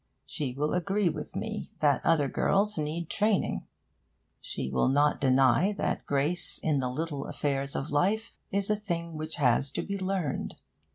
She will agree with me that other girls need training. She will not deny that grace in the little affairs of life is a thing which has to be learned.